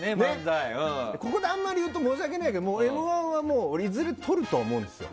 ここであんまり言うと申し訳ないけど「Ｍ‐１」はいずれとると思うんですよ。